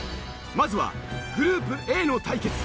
まずはグループＡの対決。